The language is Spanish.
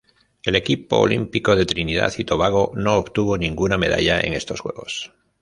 El equipo olímpico de Trinidad y Tobago no obtuvo ninguna medalla en estos Juegos.